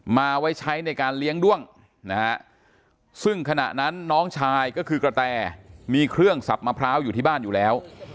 มาไว้ใช้ในการเลี้ยงด้วงนะฮะซึ่งขณะนั้นน้องชายก็คือกระแตมีเครื่องสับมะพร้าวอยู่ที่บ้านอยู่แล้ว